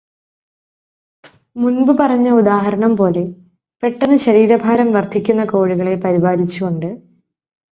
മുൻപ് പറഞ്ഞ ഉദാഹരണം പോലെ പെട്ടന്ന് ശരീരഭാരം വർദ്ധിക്കുന്ന കോഴികളെ പരിപാലിച്ചു കൊണ്ട്